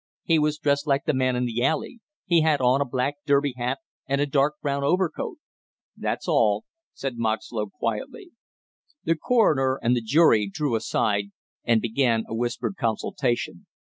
"He was dressed like the man in the alley, he had on a black derby hat and a dark brown overcoat." "That's all," said Moxlow quietly. The coroner and the jury drew aside and began a whispered consultation.